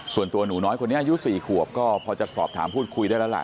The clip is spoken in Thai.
ส่วนตัวหนูน้อยคนนี้อายุ๔ขวบก็พอจะสอบถามพูดคุยได้แล้วล่ะ